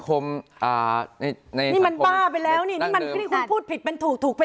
เกิดมาและคุณอูแก่